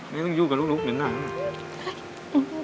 ต้องอยู่กับลูกเหมือนหนัง